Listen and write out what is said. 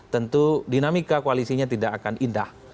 tentu dinamika koalisinya tidak akan indah